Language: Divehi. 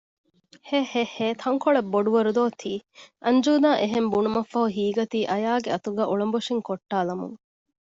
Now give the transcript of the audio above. ހެހެހެ ތަންކޮޅެއް ބޮޑުވަރު ދޯ ތީ އަންޖޫދާ އެހެން ބުނުމަށްފަހު ހީގަތީ އާޔާގެ އަތުގައި އުޅަނބޮށިން ކޮށްޓާލަމުން